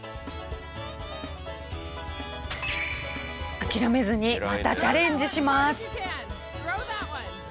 諦めずにまたチャレンジします！